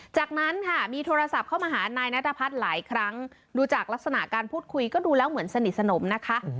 จากนั้นค่ะมีโทรศัพท์เข้ามาหานายนัทพัฒน์หลายครั้งดูจากลักษณะการพูดคุยก็ดูแล้วเหมือนสนิทสนมนะคะ